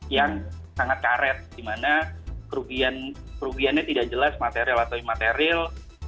yang sangat karet di mana kerugiannya tidak jelas material atau material